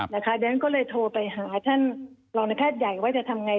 ดังนั้นก็เลยโทรไปหาท่านรองในแพทย์ใหญ่ว่าจะทำไง